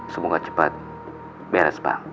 semoga cepat beres pak